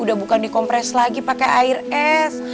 udah bukan dikompres lagi pakai air es